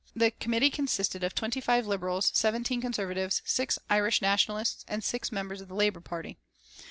The committee consisted of twenty five Liberals, seventeen Conservatives, six Irish Nationalists, and six members of the Labour Party.